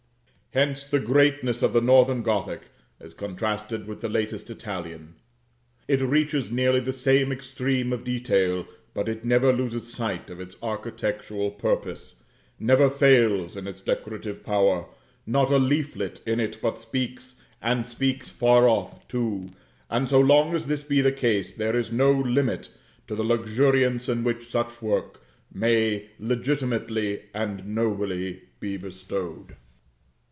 Hence the greatness of the northern Gothic as contrasted with the latest Italian. It reaches nearly the same extreme of detail; but it never loses sight of its architectural purpose, never fails in its decorative power; not a leaflet in it but speaks, and speaks far off, too; and so long as this be the case, there is no limit to the luxuriance in which such work may legitimately and nobly be bestowed.